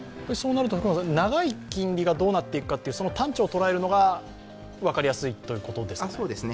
長い金利がどうなっていくかという、端緒を捉えるのが分かりやすいということですか。